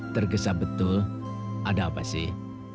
tergesa betul ada apa sih